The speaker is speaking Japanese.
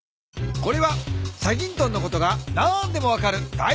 これは『チャギントン』のことが何でも分かるだい